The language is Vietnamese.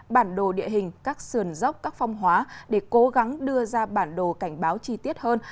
bản đồ địa hình các sườn dốc các phong hóa để cố gắng đưa ra bản đồ cảnh báo chi tiết hơn